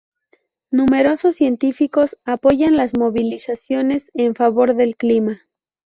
Numerosos científicos apoyan las movilizaciones en favor del clima.